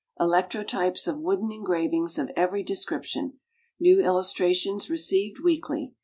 Electrotypes of wood engravings of every description. New illustrations received weekly.